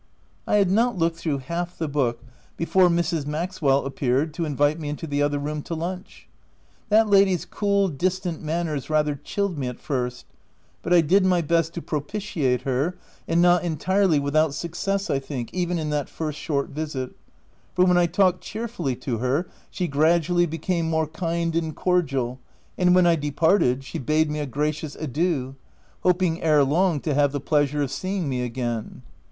I had not looked through half the book, be 336 THE TENANT fore Mrs. Maxwell appeared to invite me into the other room to lunch. That lady's cool, distant manners rather chilled me at first ; but I did my best to propitiate her, and not entirely without success I think, even in that first short visit ; for when I talked cheerfully to her, she gradually became more kind and cordial, and when I departed she bade me a gracious adieu, hoping erelong to have the pleasure of seeing me again.